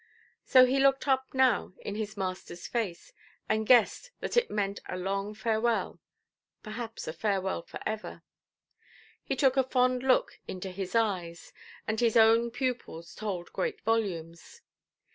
So he looked up now in his masterʼs face, and guessed that it meant a long farewell, perhaps a farewell for ever. He took a fond look into his eyes, and his own pupils told great volumes.